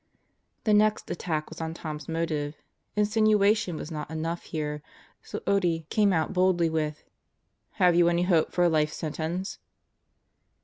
The next attack was on Tom's motive. Insinuation was not enough here, so Otte came out boldly with: "Have you any hope for a life sentence?"